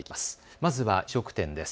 まずは飲食店です。